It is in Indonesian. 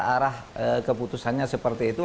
arah keputusannya seperti itu